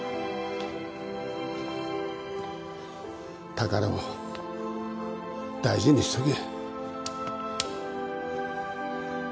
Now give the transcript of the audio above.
宝を大事にしとけ。